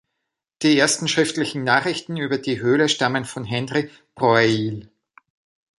Die ersten schriftlichen Nachrichten über die Höhle stammen von Henri Breuil.